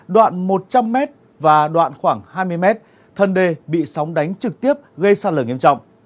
đoạn một trăm linh m và đoạn khoảng hai mươi m thân đề bị sóng đánh trực tiếp gây sạt lở nghiêm trọng